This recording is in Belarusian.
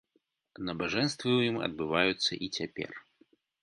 Набажэнствы ў ім адбываюцца і цяпер.